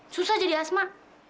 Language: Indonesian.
susah jadi asma